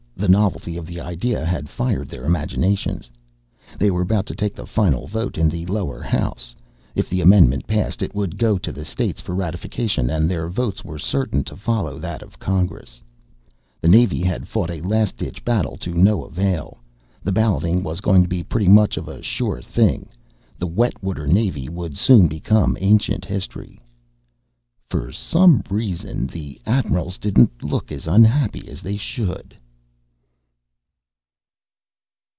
The novelty of the idea had fired their imaginations. They were about to take the final vote in the lower house. If the amendment passed it would go to the states for ratification, and their votes were certain to follow that of Congress. The Navy had fought a last ditch battle to no avail. The balloting was going to be pretty much of a sure thing the wet water Navy would soon become ancient history. For some reason the admirals didn't look as unhappy as they should.